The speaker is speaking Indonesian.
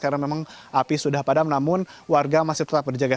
karena memang api sudah padam namun warga masih tetap berjaga